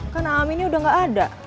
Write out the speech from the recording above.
kan aminnya udah gak ada